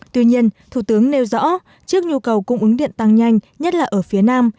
tuy nhiên thủ tướng nêu rõ trước nhu cầu cung ứng điện tăng nhanh nhất là ở phía nam